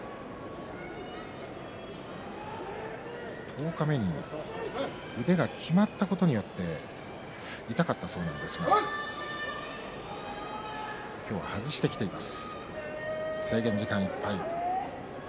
十日目に腕がきまったことによって痛かったそうなんですが今日は外してきています